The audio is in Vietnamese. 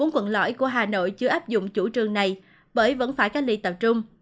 bốn quận lõi của hà nội chưa áp dụng chủ trương này bởi vẫn phải cách ly tập trung